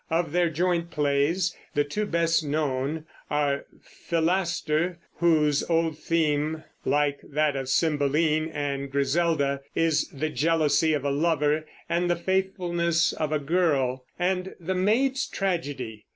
Of their joint plays, the two best known are Philaster, whose old theme, like that of Cymbeline and Griselda, is the jealousy of a lover and the faithfulness of a girl, and The Maid's Tragedy.